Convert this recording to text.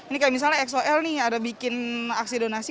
ini kayak misalnya xoil nih ada bikin aksi donasi